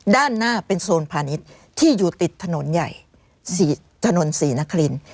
ด้านหน้าเป็นโซนพาณิชย์ที่อยู่ติดถนนใหญ่ถนนศรีนคริน